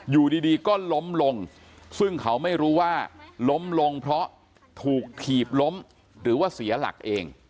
อยู่ดีก็ล้มลงซึ่งเขาไม่รู้ว่าล้มลงเพราะถูกถีบล้มหรือว่าเสียหลักเอง